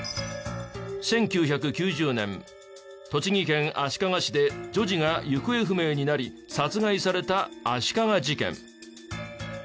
１９９０年栃木県足利市で女児が行方不明になり殺害された足利事件。